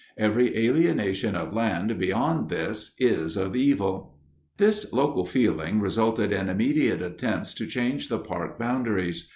Every alienation of land, beyond this, is of evil. This local feeling resulted in immediate attempts to change the park boundaries.